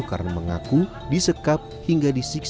karena mengaku disekap hingga diselamatkan